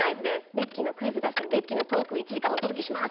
ベッキーのクイズ出したりベッキーのトーク１時間をお届けします！